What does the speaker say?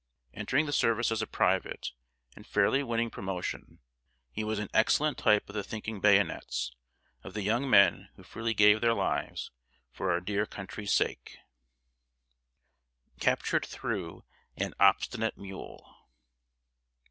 Entering the service as a private, and fairly winning promotion, he was an excellent type of the thinking bayonets, of the young men who freely gave their lives "for our dear country's sake." [Sidenote: CAPTURED THROUGH AN OBSTINATE MULE.